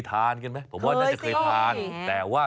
ไส้อัวเคยทานกันไหม